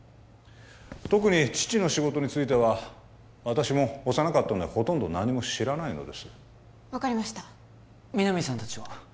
特に父の仕事については私も幼かったのでほとんど何も知らないのです分かりました皆実さん達は？